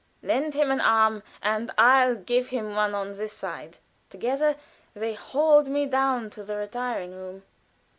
"Lend him an arm, and I'll give him one on this side." Together they hauled me down to the retiring room.